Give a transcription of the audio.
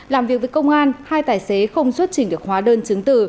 làm việc với công an hai tài xế không xuất trình được hóa đơn chứng từ